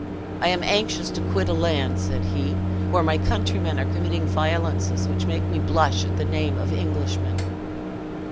"I am anxious to quit a land," said he, "where my countrymen are committing violences which make me blush at the name of Englishman."